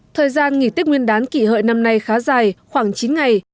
thời gian nghỉ tết nguyên đán kỷ hợi năm nay khá dài khoảng chín ngày